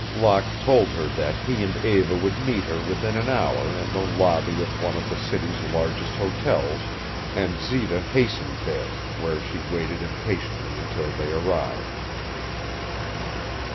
Locke told her that he and Eva would meet her within an hour in the lobby of one of the city's largest hotels, and Zita hastened there, where she waited impatiently until they arrived.